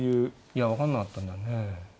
いや分かんなかったんだよね。